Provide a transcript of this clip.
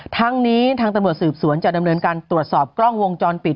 ทั้งนี้ทางตำรวจสืบสวนจะดำเนินการตรวจสอบกล้องวงจรปิด